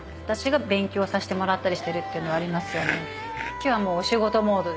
今日はもうお仕事モードで。